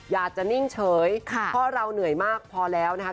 จะนิ่งเฉยเพราะเราเหนื่อยมากพอแล้วนะคะ